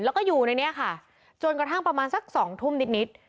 แล้วก็อยู่ในนี้ค่ะจนกระทั่งประมาณสักสองทุ่มนิด